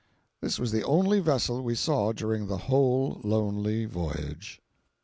This was the only vessel we saw during the whole lonely voyage. 559.